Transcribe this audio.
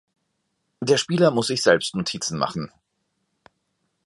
Der Spieler muss sich selbst Notizen machen.